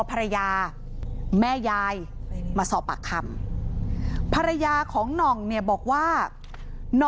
ปี๖๕วันเกิดปี๖๔ไปร่วมงานเช่นเดียวกัน